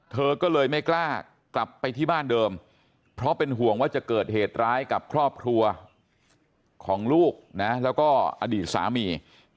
เธอก็เลยไม่กล้ากลับไปที่บ้านเดิมเพราะเป็นห่วงว่าจะเกิดเหตุร้ายกับครอบครัวของลูกนะแล้วก็อดีตสามี